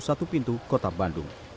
satu pintu kota bandung